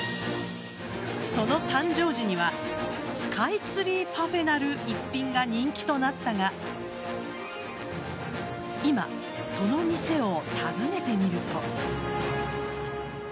その誕生時にはスカイツリーパフェなる一品が人気となったが今、その店を訪ねてみると。